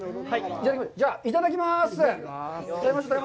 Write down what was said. じゃあ、いただきます！